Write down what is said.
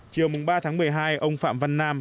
chiều ba tháng một mươi hai ông phạm văn nam